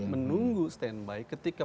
menunggu standby ketika